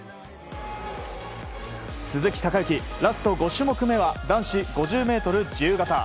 鈴木孝幸、ラスト５種目目は男子５０ｍ自由形。